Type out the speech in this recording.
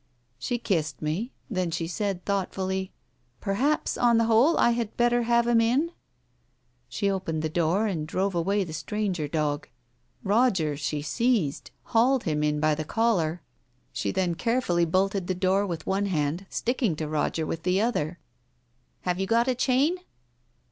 She kissed me, then she said thoughtfully —" Perhaps, on the whole I had better have him in ?" She opened the door, and drove away the stranger dog. Roger she seized, hauling him in by the collar. Digitized by Google THE WITNESS 199 She then carefully bolted the door with one hand, stick ing to Roger with the other. " Have you got a chain